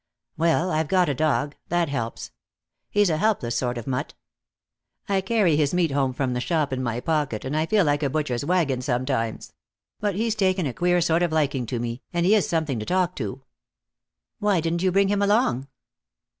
"Well, I've got a dog. That helps. He's a helpless sort of mutt. I carry his meat home from the shop in my pocket, and I feel like a butcher's wagon, sometimes. But he's taken a queer sort of liking to me, and he is something to talk to." "Why didn't you bring him along?"